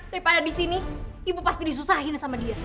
daripada disini ibu pasti disusahin sama dia